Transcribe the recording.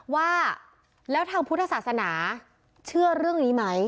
ว่าแล้วทางพุทธศาสนาเชื่อเรื่องนี้ไหม